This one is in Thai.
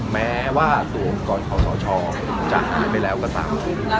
แม้ว่าตัวก่อนทศจากหายไปแล้วก็ตาม